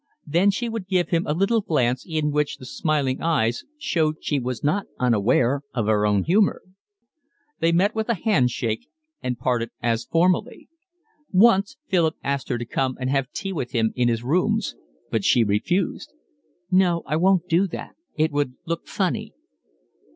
Then she would give him a little glance in which the smiling eyes showed she was not unaware of her own humour. They met with a handshake and parted as formally. Once Philip asked her to come and have tea with him in his rooms, but she refused. "No, I won't do that. It would look funny."